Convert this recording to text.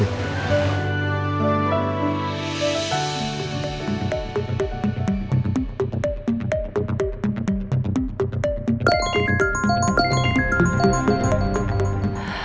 ya terima kasih